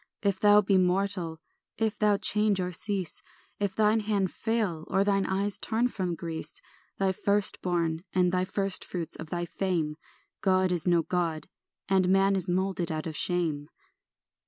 If thou be mortal, if thou change or cease, If thine hand fail, or thine eyes turn from Greece, Thy firstborn, and the firstfruits of thy fame, God is no God, and man is moulded out of shame.